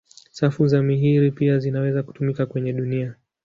Safu za Mirihi pia zinaweza kutumika kwenye dunia.